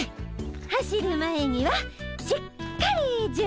走る前にはしっかり準備ね。